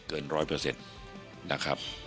เกินร้อยเปอร์เซ็นต์นะครับ